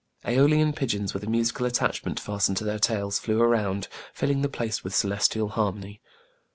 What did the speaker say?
^Eolian pigeons, with a musical attachment fastened to their tails, flew around, fill ing the place with celestial harmony.